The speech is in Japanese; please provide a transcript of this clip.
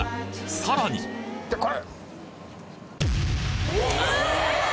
さらにこれ！